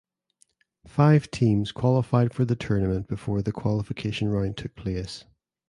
Five teams qualified for the tournament before the qualification round took place.